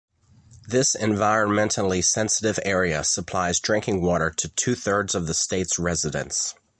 This environmentally sensitive area supplies drinking water to two-thirds of the state's residents.